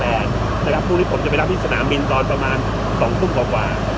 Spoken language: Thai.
แล้วทุกครั้งปีนี้ผมจะไปรับที่สนามบินกว่าประมาณ๒ทุ่มกว่ากว่า